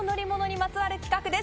まつわる企画です